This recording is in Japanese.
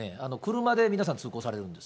車で皆さん通行されるんです。